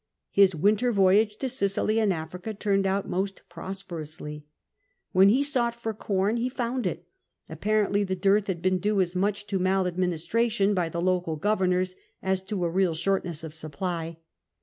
His winter voyage to Sicily and Africa turned out most prosperously. When he sought for corn he found it : apparently the deartli had been due as much to maladministration by tlic local governors as to a real shortness of supply.